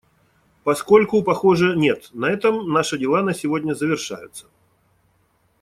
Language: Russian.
Поскольку, похоже, нет, на этом наши дела на сегодня завершаются.